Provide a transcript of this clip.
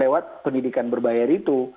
lewat pendidikan berbayar itu